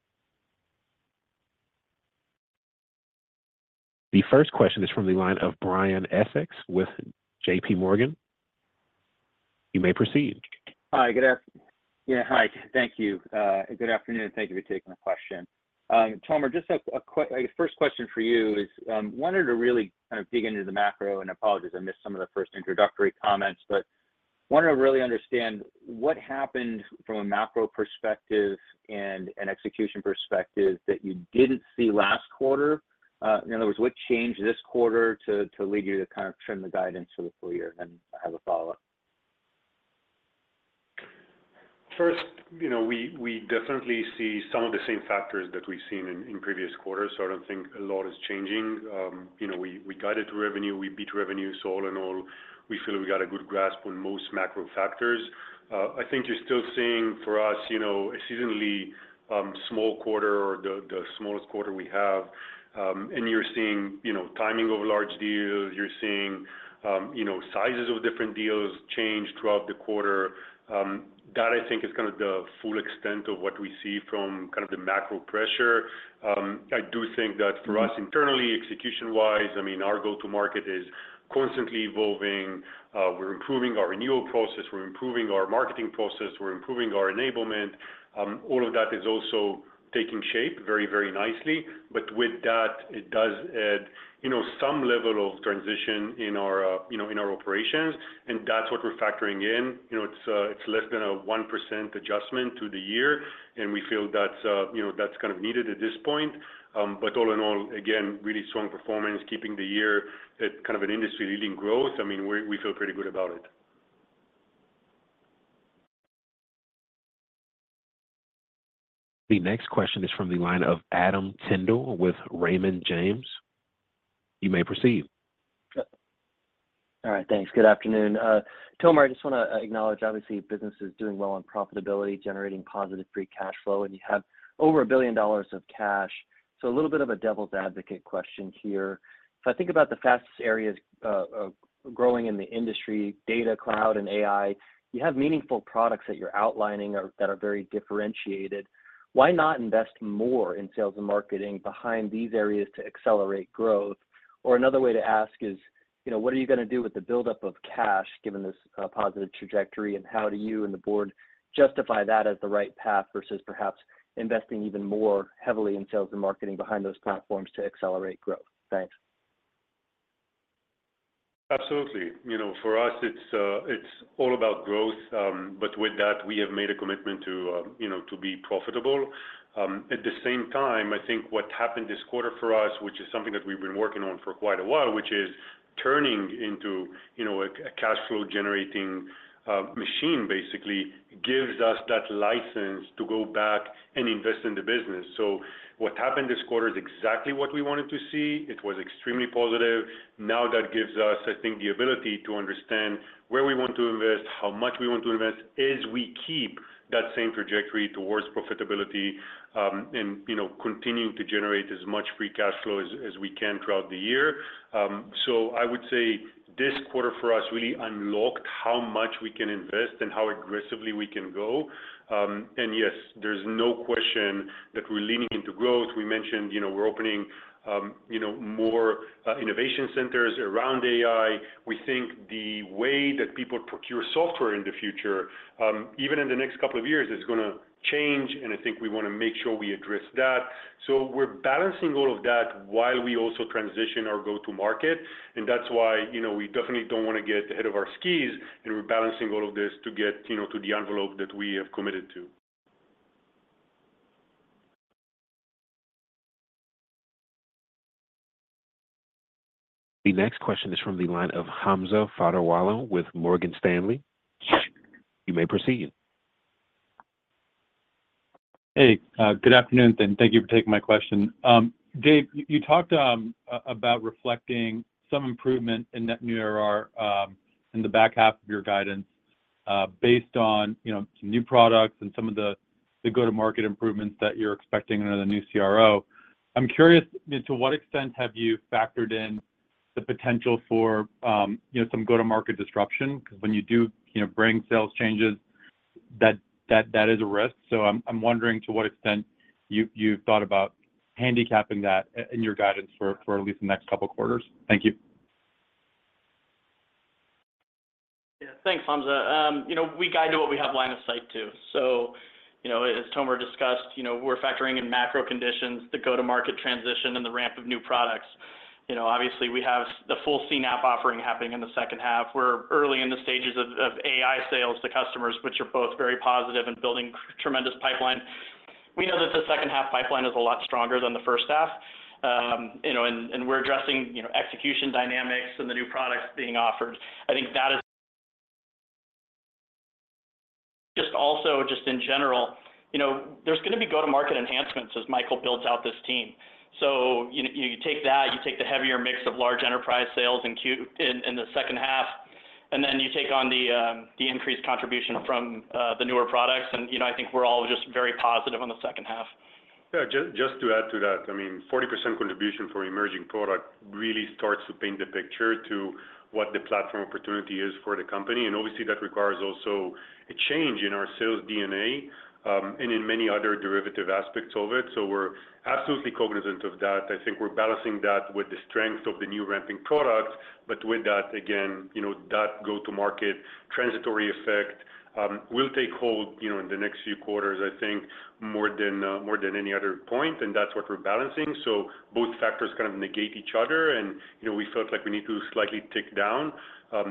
Speaker 1: The first question is from the line of Brian Essex with J.P. Morgan. You may proceed.
Speaker 5: Hi. Thank you. Good afternoon, and thank you for taking the question. Tomer, just a first question for you is, wanted to really kind of dig into the macro, and apologies, I missed some of the first introductory comments, but wanted to really understand what happened from a macro perspective and an execution perspective that you didn't see last quarter. In other words, what changed this quarter to lead you to kind of trim the guidance for the full year? And I have a follow-up.
Speaker 3: First, you know, we definitely see some of the same factors that we've seen in previous quarters, so I don't think a lot is changing. You know, we guided revenue, we beat revenue, so all in all, we feel we got a good grasp on most macro factors. I think you're still seeing, for us, you know, a seasonally small quarter or the smallest quarter we have. And you're seeing, you know, timing of large deals, you're seeing, you know, sizes of different deals change throughout the quarter. That, I think, is kind of the full extent of what we see from kind of the macro pressure. I do think that for us, internally, execution-wise, I mean, our go-to-market is constantly evolving. We're improving our renewal process, we're improving our marketing process, we're improving our enablement. All of that is also taking shape very, very nicely, but with that, it does add, you know, some level of transition in our, you know, in our operations, and that's what we're factoring in. You know, it's less than a 1% adjustment to the year, and we feel that's, you know, that's kind of needed at this point. But all in all, again, really strong performance, keeping the year at kind of an industry-leading growth. I mean, we're, we feel pretty good about it.
Speaker 1: The next question is from the line of Adam Tindle with Raymond James. You may proceed.
Speaker 6: All right. Thanks. Good afternoon. Tomer, I just wanna acknowledge, obviously, business is doing well on profitability, generating positive free cash flow, and you have over $1 billion of cash. So a little bit of a devil's advocate question here. If I think about the fastest areas of growing in the industry, data, cloud, and AI, you have meaningful products that you're outlining or that are very differentiated. Why not invest more in sales and marketing behind these areas to accelerate growth? Or another way to ask is, you know, what are you gonna do with the buildup of cash, given this positive trajectory, and how do you and the board justify that as the right path versus perhaps investing even more heavily in sales and marketing behind those platforms to accelerate growth? Thanks.
Speaker 3: Absolutely. You know, for us, it's, it's all about growth, but with that, we have made a commitment to, you know, to be profitable. At the same time, I think what happened this quarter for us, which is something that we've been working on for quite a while, which is turning into, you know, a, a cash flow-generating, machine, basically, gives us that license to go back and invest in the business. So what happened this quarter is exactly what we wanted to see. It was extremely positive. Now, that gives us, I think, the ability to understand where we want to invest, how much we want to invest, as we keep that same trajectory towards profitability, and, you know, continuing to generate as much free cash flow as we can throughout the year. So I would say this quarter for us really unlocked how much we can invest and how aggressively we can go. And yes, there's no question that we're leaning into growth. We mentioned, you know, we're opening, you know, more innovation centers around AI. We think the way that people procure software in the future, even in the next couple of years, is gonna change, and I think we wanna make sure we address that. So we're balancing all of that while we also transition our go-to market, and that's why, you know, we definitely don't wanna get ahead of our skis, and we're balancing all of this to get, you know, to the envelope that we have committed to.
Speaker 1: The next question is from the line of Hamza Fodderwala with Morgan Stanley. You may proceed.
Speaker 7: Hey, good afternoon, and thank you for taking my question. Dave, you talked about reflecting some improvement in net new ARR in the back half of your guidance, based on, you know, some new products and some of the go-to-market improvements that you're expecting under the new CRO. I'm curious, to what extent have you factored in the potential for, you know, some go-to-market disruption? 'Cause when you do, you know, bring sales changes, that is a risk. So I'm wondering to what extent you've thought about handicapping that in your guidance for at least the next couple quarters. Thank you.
Speaker 4: Yeah. Thanks, Hamza. You know, we guide to what we have line of sight to. So, you know, as Tomer discussed, you know, we're factoring in macro conditions, the go-to-market transition, and the ramp of new products. You know, obviously, we have the full CNAPP offering happening in the second half. We're early in the stages of AI sales to customers, which are both very positive and building tremendous pipeline. We know that the second half pipeline is a lot stronger than the first half. You know, and we're addressing, you know, execution dynamics and the new products being offered. Just also, just in general, you know, there's gonna be go-to-market enhancements as Michael builds out this team. So, you take that, you take the heavier mix of large enterprise sales in the second half, and then you take on the increased contribution from the newer products. And, you know, I think we're all just very positive on the second half.
Speaker 3: Yeah, just to add to that, I mean, 40% contribution for emerging product really starts to paint the picture to what the platform opportunity is for the company, and obviously, that requires also a change in our sales DNA, and in many other derivative aspects of it. So we're absolutely cognizant of that. I think we're balancing that with the strength of the new ramping products, but with that, again, you know, that go-to-market transitory effect will take hold, you know, in the next few quarters, I think, more than more than any other point, and that's what we're balancing. So both factors kind of negate each other, and, you know, we felt like we need to slightly tick down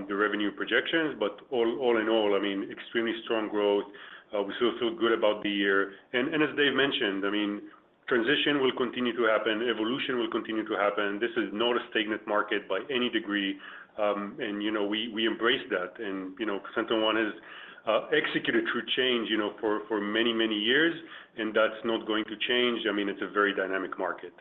Speaker 3: the revenue projections. But all, all in all, I mean, extremely strong growth. We still feel good about the year. And as Dave mentioned, I mean, transition will continue to happen, evolution will continue to happen. This is not a stagnant market by any degree, and, you know, we embrace that. And, you know, SentinelOne has executed through change, you know, for, for many, many years, and that's not going to change. I mean, it's a very dynamic market.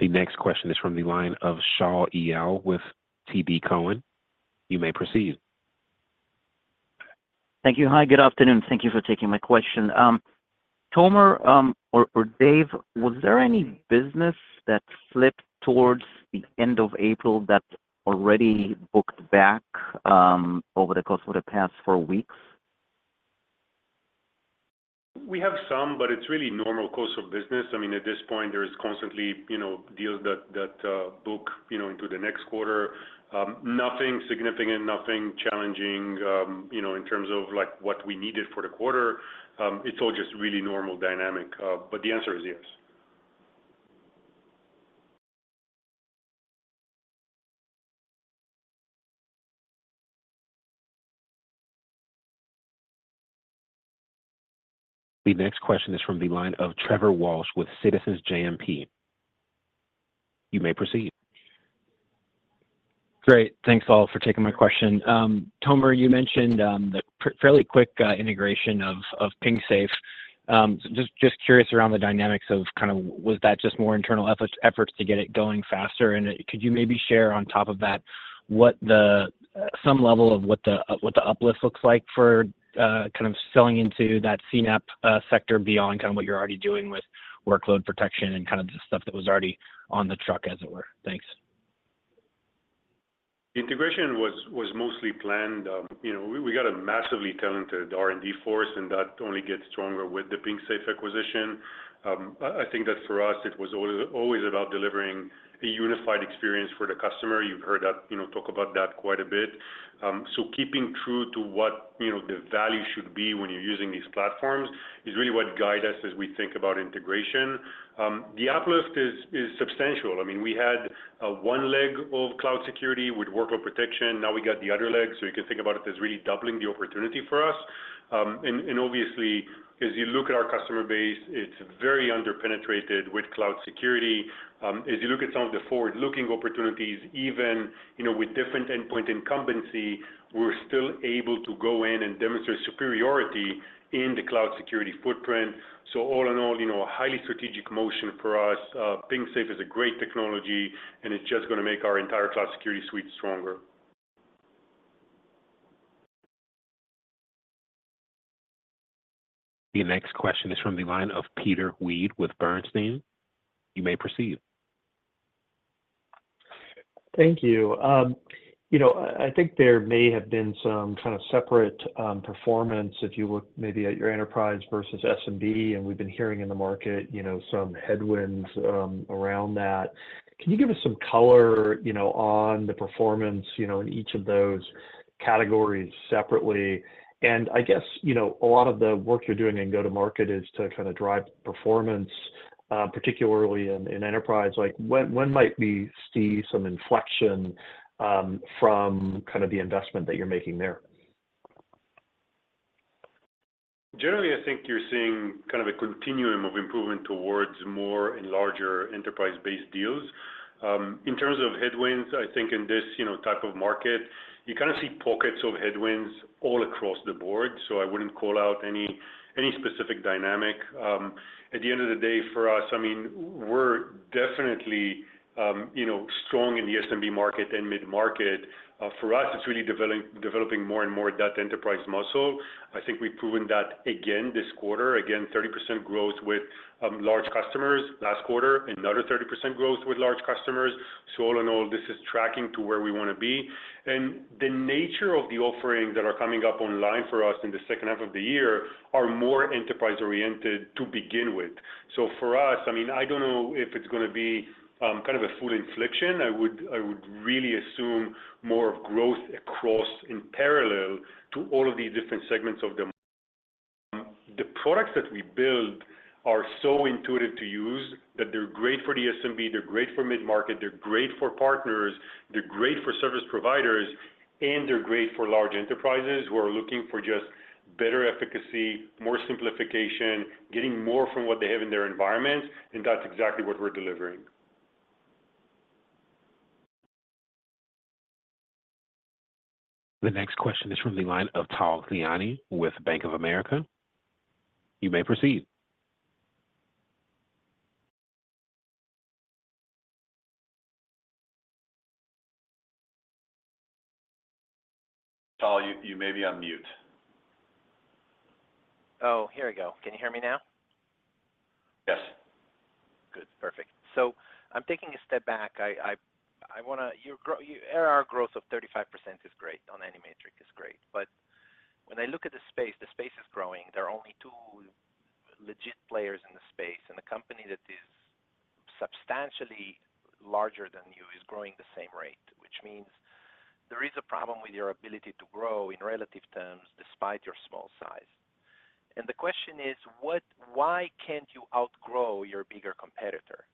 Speaker 1: The next question is from the line of Shaul Eyal with TD Cowen. You may proceed.
Speaker 8: Thank you. Hi, good afternoon, thank you for taking my question. Tomer, or Dave, was there any business that slipped towards the end of April that already booked back, over the course of the past four weeks?
Speaker 3: We have some, but it's really normal course of business. I mean, at this point, there is constantly, you know, deals that book, you know, into the next quarter. Nothing significant, nothing challenging, you know, in terms of, like, what we needed for the quarter. It's all just really normal dynamic, but the answer is yes.
Speaker 1: The next question is from the line of Trevor Walsh with Citizens JMP. You may proceed.
Speaker 9: Great. Thanks, all, for taking my question. Tomer, you mentioned the fairly quick integration of PingSafe. Just, just curious around the dynamics of kind of... Was that just more internal efforts to get it going faster? And could you maybe share on top of that, some level of what the uplift looks like for kind of selling into that CNAPP sector, beyond kind of what you're already doing with workload protection and kind of the stuff that was already on the truck, as it were? Thanks.
Speaker 3: Integration was mostly planned. You know, we got a massively talented R&D force, and that only gets stronger with the PingSafe acquisition. I think that for us, it was always about delivering a unified experience for the customer. You've heard us, you know, talk about that quite a bit. So keeping true to what, you know, the value should be when you're using these platforms is really what guide us as we think about integration. The uplift is substantial. I mean, we had a one leg of cloud security with workload protection, now we got the other leg, so you can think about it as really doubling the opportunity for us. And obviously, as you look at our customer base, it's very under-penetrated with cloud security. As you look at some of the forward-looking opportunities, even, you know, with different endpoint incumbency, we're still able to go in and demonstrate superiority in the cloud security footprint. So all in all, you know, a highly strategic motion for us. PingSafe is a great technology, and it's just gonna make our entire cloud security suite stronger.
Speaker 1: The next question is from the line of Peter Weed with Bernstein. You may proceed.
Speaker 10: Thank you. You know, I think there may have been some kind of separate performance, if you look maybe at your enterprise versus SMB, and we've been hearing in the market, you know, some headwinds around that. Can you give us some color, you know, on the performance, you know, in each of those categories separately? And I guess, you know, a lot of the work you're doing in go-to-market is to kind of drive performance particularly in enterprise, like when might we see some inflection from kind of the investment that you're making there?
Speaker 3: Generally, I think you're seeing kind of a continuum of improvement towards more and larger enterprise-based deals. In terms of headwinds, I think in this, you know, type of market, you kind of see pockets of headwinds all across the board, so I wouldn't call out any specific dynamic. At the end of the day, for us, I mean, we're definitely, you know, strong in the SMB market and mid-market. For us, it's really developing more and more that enterprise muscle. I think we've proven that again this quarter. Again, 30% growth with large customers. Last quarter, another 30% growth with large customers. So all in all, this is tracking to where we wanna be. The nature of the offerings that are coming up online for us in the second half of the year are more enterprise-oriented to begin with. So for us, I mean, I don't know if it's gonna be kind of a full inflection. I would really assume more of growth across in parallel to all of the different segments of the products that we build are so intuitive to use, that they're great for the SMB, they're great for mid-market, they're great for partners, they're great for service providers, and they're great for large enterprises who are looking for just better efficacy, more simplification, getting more from what they have in their environments, and that's exactly what we're delivering.
Speaker 1: The next question is from the line of Tal Liani with Bank of America. You may proceed.
Speaker 3: Tal, you, you may be on mute.
Speaker 11: Oh, here we go. Can you hear me now?
Speaker 3: Yes.
Speaker 11: Good. Perfect. So I'm taking a step back. I wanna... Your growth of 35% is great, on any metric is great. But when I look at the space, the space is growing. There are only two legit players in the space, and the company that is substantially larger than you is growing the same rate, which means there is a problem with your ability to grow in relative terms, despite your small size. And the question is: Why can't you outgrow your bigger competitor?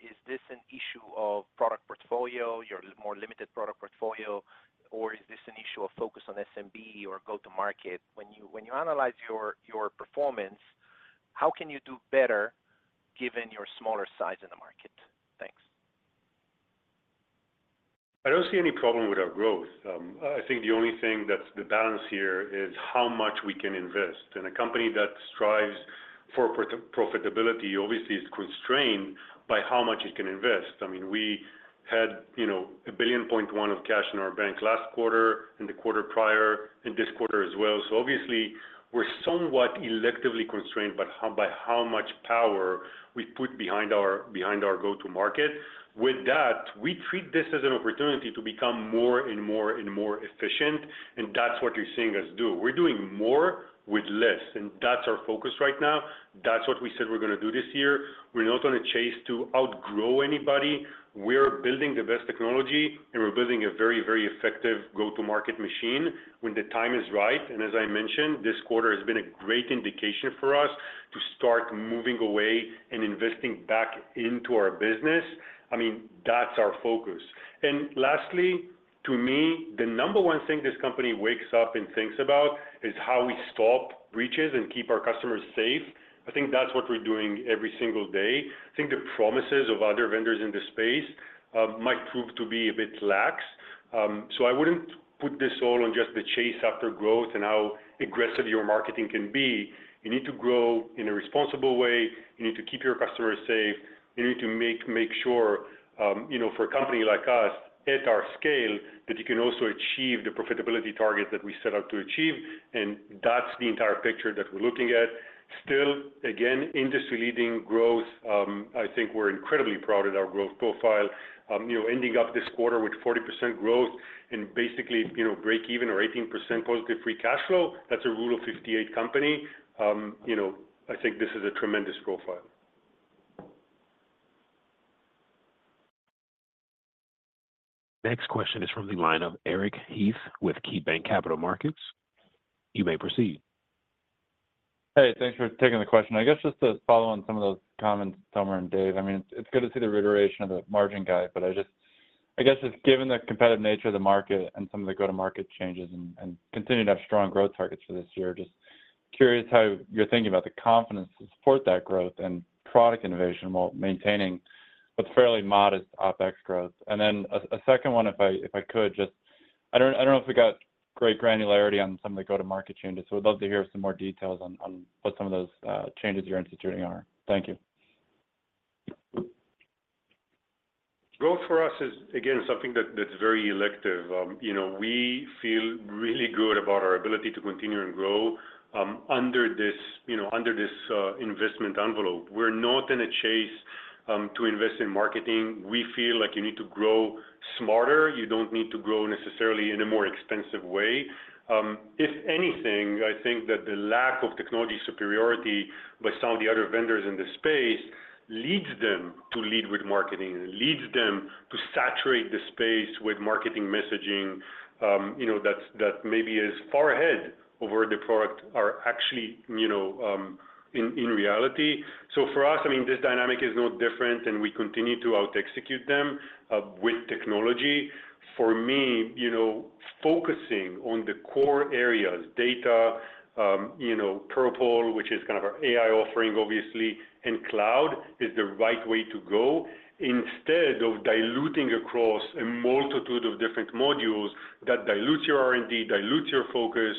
Speaker 11: Is this an issue of product portfolio, your more limited product portfolio, or is this an issue of focus on SMB or go-to-market? When you analyze your performance, how can you do better given your smaller size in the market? Thanks.
Speaker 3: I don't see any problem with our growth. I think the only thing that's the balance here is how much we can invest. In a company that strives for profitability, obviously is constrained by how much it can invest. I mean, we had, you know, $1.1 billion of cash in our bank last quarter and the quarter prior, and this quarter as well. So obviously, we're somewhat electively constrained by how much power we put behind our go-to-market. With that, we treat this as an opportunity to become more and more and more efficient, and that's what you're seeing us do. We're doing more with less, and that's our focus right now. That's what we said we're gonna do this year. We're not on a chase to outgrow anybody. We're building the best technology, and we're building a very, very effective go-to-market machine when the time is right. And as I mentioned, this quarter has been a great indication for us to start moving away and investing back into our business. I mean, that's our focus. And lastly, to me, the number one thing this company wakes up and thinks about is how we stop breaches and keep our customers safe. I think that's what we're doing every single day. I think the promises of other vendors in this space might prove to be a bit lax. So I wouldn't put this all on just the chase after growth and how aggressive your marketing can be. You need to grow in a responsible way, you need to keep your customers safe, you need to make sure, you know, for a company like us, at our scale, that you can also achieve the profitability target that we set out to achieve, and that's the entire picture that we're looking at. Still, again, industry-leading growth, I think we're incredibly proud of our growth profile. You know, ending up this quarter with 40% growth and basically, you know, break even or 18% positive free cash flow, that's a Rule of 58 company. You know, I think this is a tremendous profile.
Speaker 1: Next question is from the line of Eric Heath with KeyBanc Capital Markets. You may proceed.
Speaker 12: Hey, thanks for taking the question. I guess just to follow on some of those comments, Tomer and Dave, I mean, it's good to see the reiteration of the margin guide, but I just... I guess just given the competitive nature of the market and some of the go-to-market changes and continuing to have strong growth targets for this year, just curious how you're thinking about the confidence to support that growth and product innovation while maintaining a fairly modest OpEx growth. And then a second one, if I could, just I don't know if we got great granularity on some of the go-to-market changes, so I'd love to hear some more details on what some of those changes you're instituting are. Thank you.
Speaker 3: Growth for us is, again, something that, that's very elective. You know, we feel really good about our ability to continue and grow under this, you know, under this investment envelope. We're not in a chase to invest in marketing. We feel like you need to grow smarter, you don't need to grow necessarily in a more expensive way. If anything, I think that the lack of technology superiority by some of the other vendors in this space leads them to lead with marketing and leads them to saturate the space with marketing messaging, you know, that's, that maybe is far ahead over the product are actually, you know, in, in reality. So for us, I mean, this dynamic is no different, and we continue to out-execute them with technology. For me, you know, Focusing on the core areas, data, you know, Purple, which is kind of our AI offering, obviously, and cloud is the right way to go instead of diluting across a multitude of different modules that dilutes your R&D, dilutes your focus.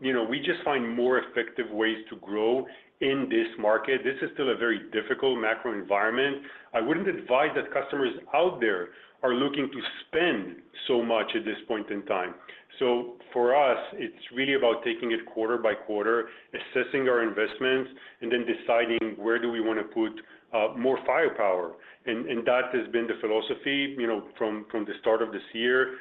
Speaker 3: You know, we just find more effective ways to grow in this market. This is still a very difficult macro environment. I wouldn't advise that customers out there are looking to spend so much at this point in time. So for us, it's really about taking it quarter by quarter, assessing our investments, and then deciding where do we want to put more firepower. And, and that has been the philosophy, you know, from, from the start of this year.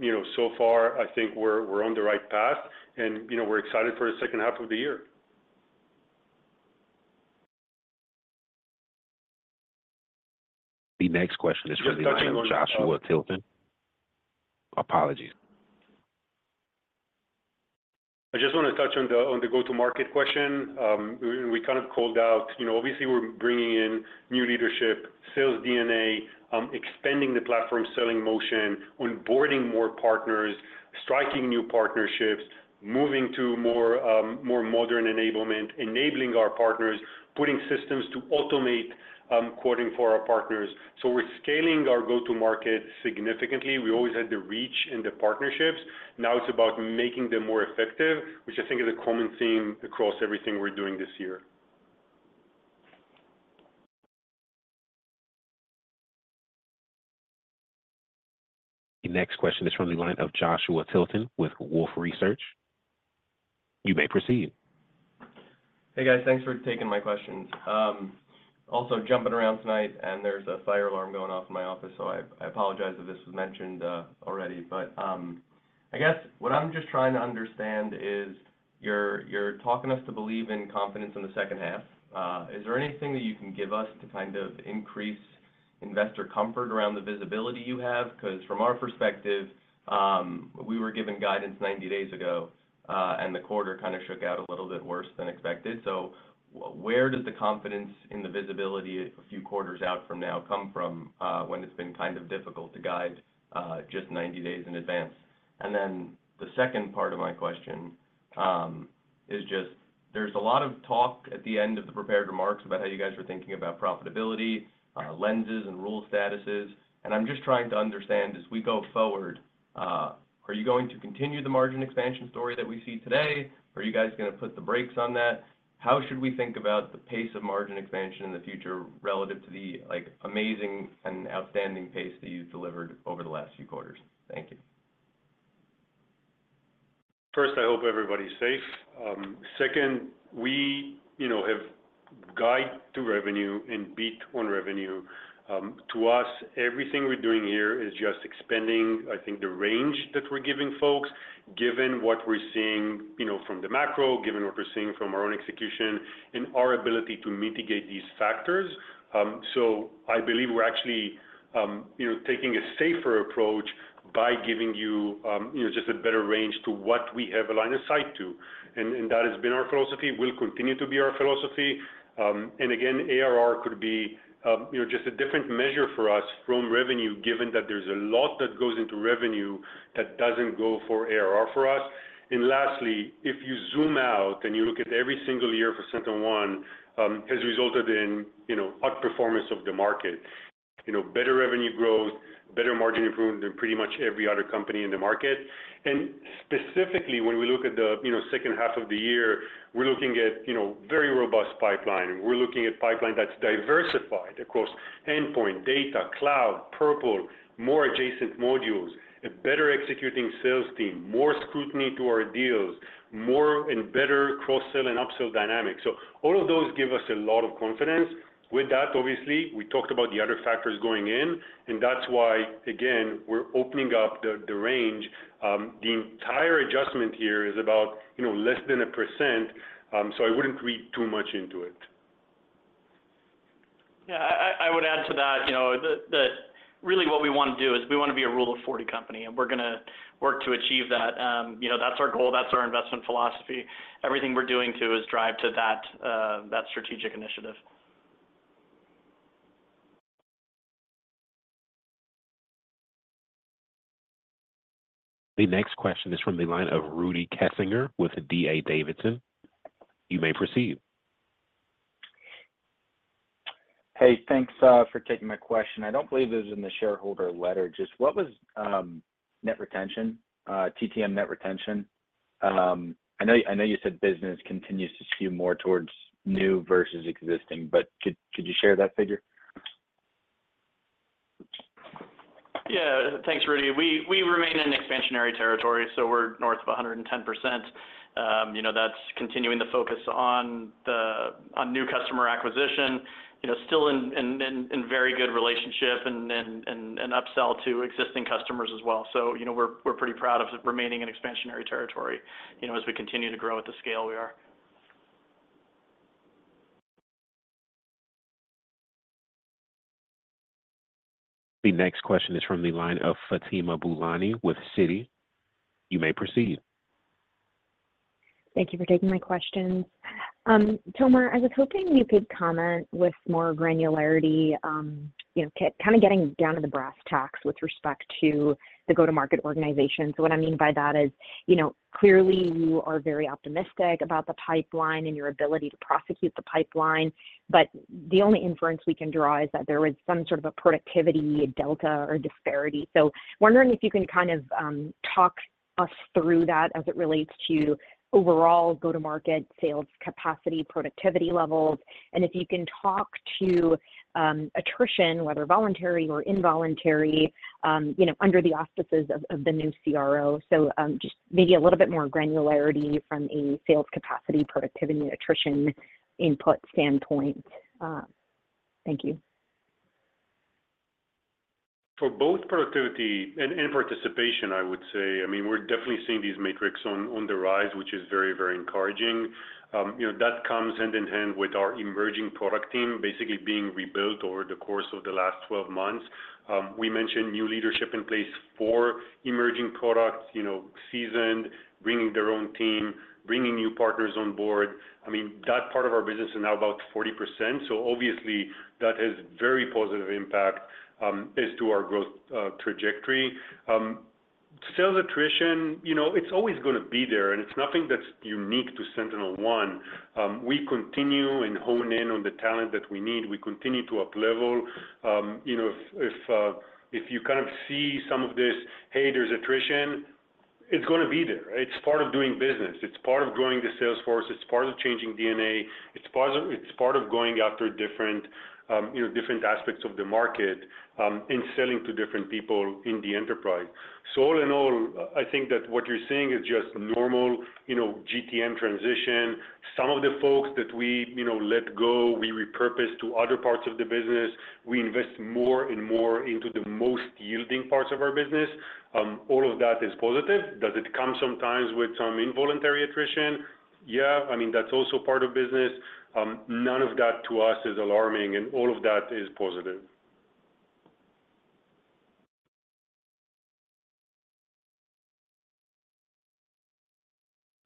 Speaker 3: You know, so far, I think we're, we're on the right path and, you know, we're excited for the second half of the year.
Speaker 1: The next question is from the line of Joshua Tilton. Apologies.
Speaker 3: I just want to touch on the go-to-market question. We kind of called out, you know, obviously, we're bringing in new leadership, sales DNA, expanding the platform, selling motion, onboarding more partners, striking new partnerships, moving to more modern enablement, enabling our partners, putting systems to automate quoting for our partners. So we're scaling our go-to-market significantly. We always had the reach and the partnerships. Now it's about making them more effective, which I think is a common theme across everything we're doing this year.
Speaker 1: The next question is from the line of Joshua Tilton with Wolfe Research. You may proceed.
Speaker 13: Hey, guys. Thanks for taking my questions. Also jumping around tonight, and there's a fire alarm going off in my office, so I apologize if this was mentioned already. But I guess what I'm just trying to understand is, you're talking us to believe in confidence in the second half. Is there anything that you can give us to increase investor comfort around the visibility you have? Because from our perspective, we were given guidance 90 days ago, and the quarter kind of shook out a little bit worse than expected. So where does the confidence in the visibility a few quarters out from now come from, when it's been kind of difficult to guide just 90 days in advance? And then the second part of my question is just there's a lot of talk at the end of the prepared remarks about how you guys are thinking about profitability lenses and rule statuses, and I'm just trying to understand, as we go forward, are you going to continue the margin expansion story that we see today? Are you guys gonna put the brakes on that? How should we think about the pace of margin expansion in the future relative to the, like, amazing and outstanding pace that you've delivered over the last few quarters? Thank you.
Speaker 3: First, I hope everybody's safe. Second, we, you know, have guided to revenue and beat on revenue. To us, everything we're doing here is just expanding, I think the range that we're giving folks, given what we're seeing, you know, from the macro, given what we're seeing from our own execution and our ability to mitigate these factors. So I believe we're actually, you know, taking a safer approach by giving you, you know, just a better range to what we have a line of sight to. And that has been our philosophy, will continue to be our philosophy. And again, ARR could be, you know, just a different measure for us from revenue, given that there's a lot that goes into revenue that doesn't go for ARR for us. Lastly, if you zoom out and you look at every single year for SentinelOne, has resulted in, you know, outperformance of the market. You know, better revenue growth, better margin improvement than pretty much every other company in the market. And specifically, when we look at the, you know, second half of the year, we're looking at, you know, very robust pipeline. We're looking at pipeline that's diversified across endpoint, data, cloud, Purple, more adjacent modules, a better executing sales team, more scrutiny to our deals, more and better cross-sell and upsell dynamics. So all of those give us a lot of confidence. With that, obviously, we talked about the other factors going in, and that's why, again, we're opening up the range. The entire adjustment here is about, you know, less than 1%, so I wouldn't read too much into it.
Speaker 4: Yeah, I would add to that, you know, that really what we want to do is we want to be a Rule of 40 company, and we're gonna work to achieve that. You know, that's our goal, that's our investment philosophy. Everything we're doing to is drive to that, that strategic initiative.
Speaker 1: The next question is from the line of Rudy Kessinger with D.A. Davidson. You may proceed.
Speaker 14: Hey, thanks for taking my question. I don't believe it was in the shareholder letter, just what was net retention, TTM net retention? I know, I know you said business continues to skew more towards new versus existing, but could you share that figure?
Speaker 4: Yeah. Thanks, Rudy. We remain in expansionary territory, so we're north of 110%. You know, that's continuing the focus on new customer acquisition, you know, still in very good relationship and upsell to existing customers as well. So, you know, we're pretty proud of remaining in expansionary territory, you know, as we continue to grow at the scale we are.
Speaker 1: The next question is from the line of Fatima Boolani with Citi. You may proceed.
Speaker 15: Thank you for taking my questions. Tomer, I was hoping you could comment with more granularity, you know, kind of getting down to the brass tacks with respect to the go-to-market organization. So what I mean by that is, you know, clearly you are very optimistic about the pipeline and your ability to prosecute the pipeline, but the only inference we can draw is that there is some sort of a productivity, a delta or disparity. So wondering if you can kind of talk us through that as it relates to overall go-to-market sales capacity, productivity levels, and if you can talk to attrition, whether voluntary or involuntary, you know, under the auspices of the new CRO. So just maybe a little bit more granularity from a sales capacity, productivity, attrition input standpoint. Thank you.
Speaker 3: For both productivity and participation, I would say, I mean, we're definitely seeing these metrics on the rise, which is very, very encouraging. You know, that comes hand in hand with our emerging product team basically being rebuilt over the course of the last 12 months. We mentioned new leadership in place for emerging products, you know, seasoned, bringing their own team, bringing new partners on board. I mean, that part of our business is now about 40%, so obviously that has very positive impact as to our growth trajectory. Sales attrition, you know, it's always gonna be there, and it's nothing that's unique to SentinelOne. We continue and hone in on the talent that we need. We continue to uplevel. You know, if you kind of see some of this, "Hey, there's attrition," it's gonna be there. It's part of doing business. It's part of growing the sales force. It's part of changing DNA. It's part of going after different, you know, different aspects of the market, and selling to different people in the enterprise. So all in all, I think that what you're seeing is just normal, you know, GTM transition. Some of the folks that we, you know, let go, we repurpose to other parts of the business. We invest more and more into the most yielding parts of our business. All of that is positive. Does it come sometimes with some involuntary attrition? Yeah. I mean, that's also part of business. None of that to us is alarming, and all of that is positive.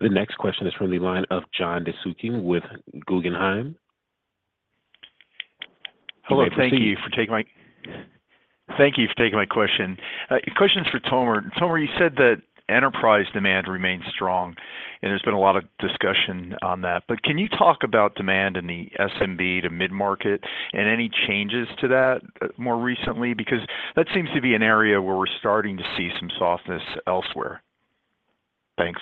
Speaker 1: The next question is from the line of John DiFucci with Guggenheim.
Speaker 16: Hello.
Speaker 1: Hello.
Speaker 16: Thank you for taking my question. Question is for Tomer. Tomer, you said that enterprise demand remains strong, and there's been a lot of discussion on that. But can you talk about demand in the SMB to mid-market and any changes to that, more recently? Because that seems to be an area where we're starting to see some softness elsewhere. Thanks.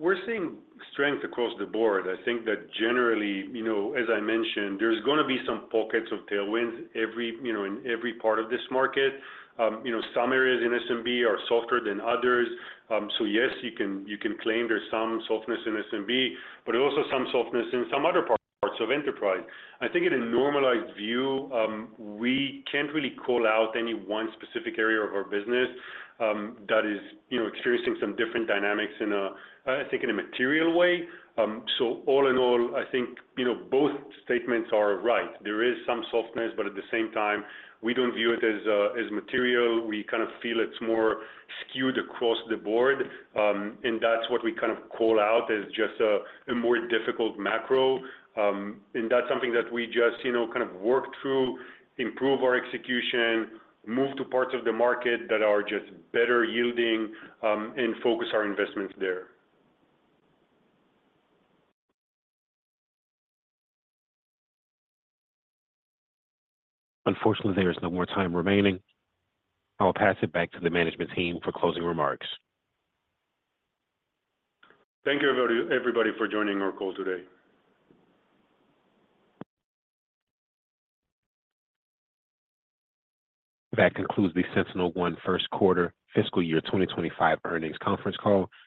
Speaker 3: We're seeing strength across the board. I think that generally, you know, as I mentioned, there's gonna be some pockets of tailwinds every, you know, in every part of this market. You know, some areas in SMB are softer than others. So yes, you can, you can claim there's some softness in SMB, but also some softness in some other parts of enterprise. I think in a normalized view, we can't really call out any one specific area of our business, that is, you know, experiencing some different dynamics in a, I think in a material way. So all in all, I think, you know, both statements are right. There is some softness, but at the same time, we don't view it as, as material. We kind of feel it's more skewed across the board, and that's what we kind of call out as just a more difficult macro. And that's something that we just, you know, kind of work through, improve our execution, move to parts of the market that are just better yielding, and focus our investments there.
Speaker 1: Unfortunately, there is no more time remaining. I will pass it back to the management team for closing remarks.
Speaker 3: Thank you, everybody, everybody for joining our call today.
Speaker 1: That concludes the SentinelOne first quarter fiscal year 2025 earnings conference call.